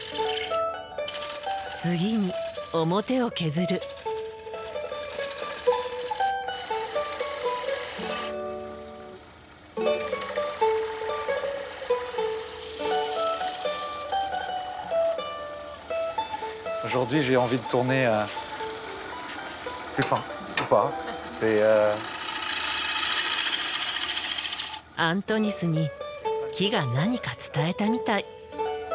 アントニスに木が何か伝えたみたい。